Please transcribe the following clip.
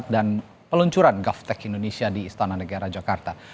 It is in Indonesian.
dan peluncuran govtech indonesia di istana negara jakarta